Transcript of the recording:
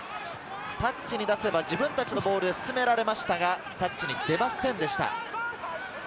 タッチに出せば自分達のボールで進められましたが、タッチに出ませんでした。